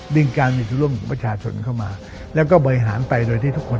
ดึงการมีจุดร่วมของประชาชนเข้ามาแล้วก็บริหารไปโดยที่ทุกคน